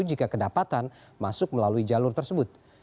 jika kedapatan masuk melalui jalur tersebut